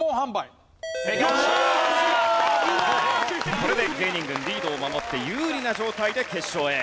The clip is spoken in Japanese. これで芸人軍リードを守って有利な状態で決勝へ。